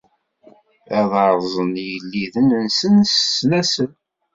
Ad arzen igelliden-nsen s ssnasel.